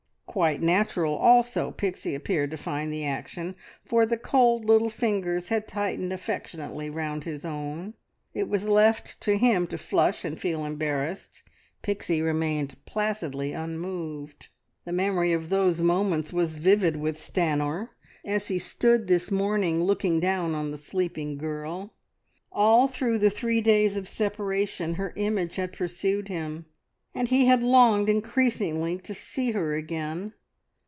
Quite natural also Pixie appeared to find the action, for the cold little fingers had tightened affectionately round his own. It was left to him to flush and feel embarrassed; Pixie remained placidly unmoved. The memory of those moments was vivid with Stanor as he stood this morning looking down on the sleeping girl. All through the three days of separation her image had pursued him, and he had longed increasingly to see her again.